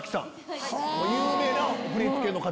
有名な振り付けの方。